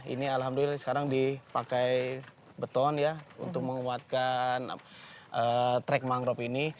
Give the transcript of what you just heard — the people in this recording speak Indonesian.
ini alhamdulillah sekarang dipakai beton ya untuk menguatkan trek mangrove ini